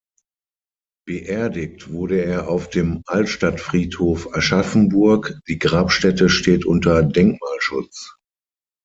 Beerdigt wurde er auf dem Altstadtfriedhof Aschaffenburg; die Grabstätte steht unter Denkmalschutz.